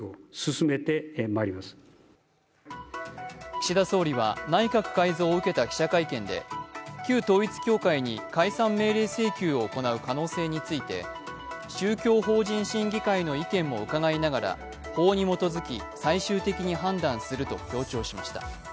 岸田総理は内閣改造を受けた記者会見で旧統一教会に解散命令請求を行う可能性について宗教法人審議会の意見も伺いながら法に基づき最終的に判断すると強調しました。